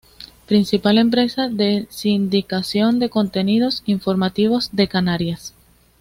Principal empresa de sindicación de contenidos informativos de Canarias.